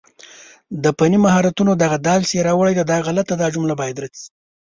د مېوو د باغونو د ساتنې لپاره د فني مهارتونو پکار دی.